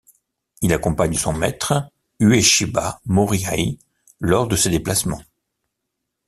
Il accompagne son maître, Ueshiba Morihei lors de ses déplacements.